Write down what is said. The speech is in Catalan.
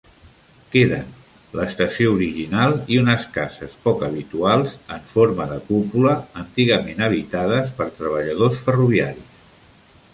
Queden l'estació original i unes cases poc habituals, en forma de cúpula, antigament habitades per treballadors ferroviaris.